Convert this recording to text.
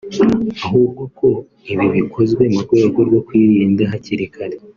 ahubwo ko ibi bikozwe mu rwego rwo kwirinda hakiri kare